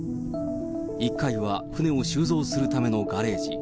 １階は船を収蔵するためのガレージ。